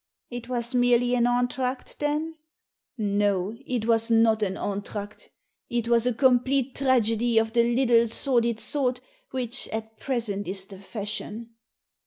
" It was merely an entr'acte then ?"" No, it was not an entr'acte. It was a complete tragedy of the little, sordid sort, which, at present, is the fashion."